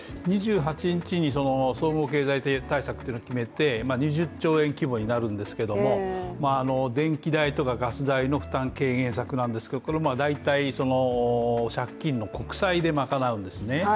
２８日に総合経済対策っていうのを決めて２０兆円規模になるんですけれども電気代やガス代の負担軽減策なんですけれどもこれも大体、借金、国債で賄うんですね。